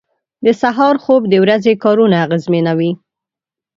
• د سهار خوب د ورځې کارونه اغېزمنوي.